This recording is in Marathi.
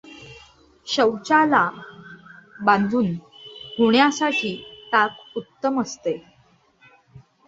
शौचाला बांधून होण्यासाठी ताक उत्तम असते.